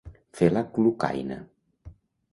Fer la clucaina.